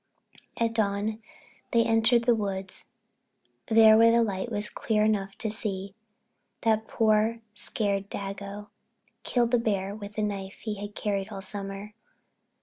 At dawn they entered the woods. There, when the light was clear enough to see, that poor, scared dago killed the bear with the knife he had carried all summer.